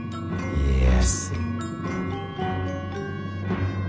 家康。